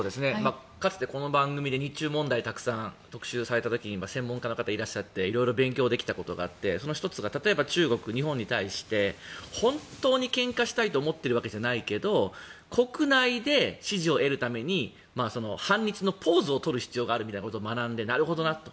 かつてこの番組で日中問題たくさん特集された時に専門家の方がいらっしゃって色々勉強できたことがあってその１つが例えば中国、日本に対して本当にけんかしたいと思っているわけじゃないけど国内で支持を得るために反日のポーズを取る必要があるみたいなことを学んで、なるほどなと。